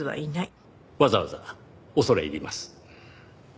わざわざ恐れ入ります。